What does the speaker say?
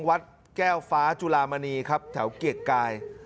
วัดแก้วฟ้าจุลามณีครับแถวเกียรติกาย